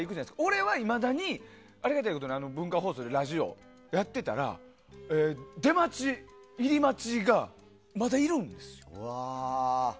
俺はいまだに文化放送でラジオやってたら出待ち、入り待ちがまだいるんですよ。